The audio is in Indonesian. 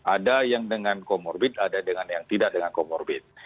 ada yang dengan comorbid ada dengan yang tidak dengan comorbid